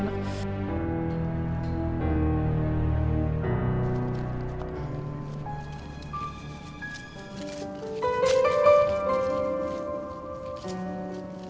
nah ini tuh